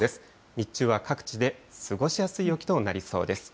日中は各地で過ごしやすい陽気となりそうです。